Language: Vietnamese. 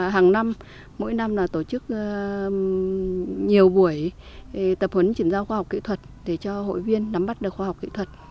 hàng năm mỗi năm tổ chức nhiều buổi tập huấn chuyển giao khoa học kỹ thuật để cho hội viên nắm bắt được khoa học kỹ thuật